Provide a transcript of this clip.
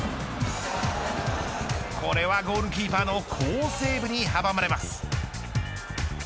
これはゴールキーパーの好セーブに阻まれます。